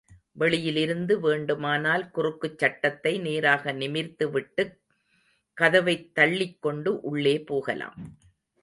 வெளியிலிருந்து வேண்டுமானால் குறுக்குச் சட்டத்தை நேராக நிமிர்த்திவிட்டுக் கதவைத் தள்ளிக்கொண்டு உள்ளே போகலாம்.